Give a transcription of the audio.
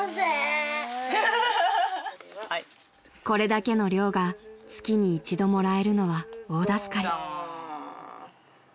［これだけの量が月に一度もらえるのは大助かり］